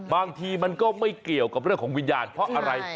บางทีมันก็ไม่เกี่ยวกับเรื่องของวิญญาณเพราะอะไร